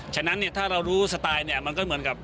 ฉะนั้นถ้าเรารู้สไตล์มันก็เหมือนกับ